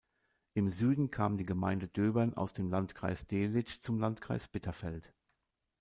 Im Süden kam die Gemeinde Döbern aus dem Landkreis Delitzsch zum Landkreis Bitterfeld.